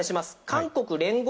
韓国聯合